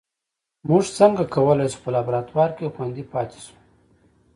موږ څنګه کولای شو په لابراتوار کې خوندي پاتې شو